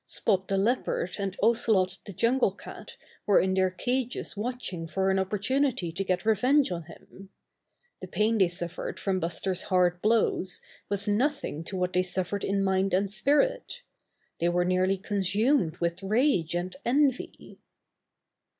Spot the Leopard and Ocelot the Jungle Cat were in their cages watching for an opportunity to get revenge on him. The pain they suffered from Buster's hard blows was nothing to what they suffered in Buster Becomes a Trick Bear 81 mind and spirit. They were nearly consumed with rage and envy.